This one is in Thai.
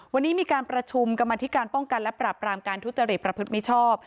วันนี้มีการประชุมกรรมธิการป้องกันและปรับรามการทุจริตประพฤติมิชชอบ